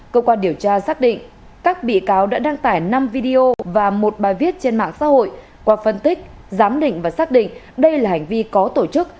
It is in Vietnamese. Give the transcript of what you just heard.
cơ quan điều tra xác định các bị cáo đã đăng tải năm video và một bài viết trên mạng xã hội qua phân tích giám định và xác định đây là hành vi có tổ chức